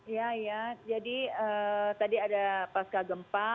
ya ya jadi tadi ada pasca gempa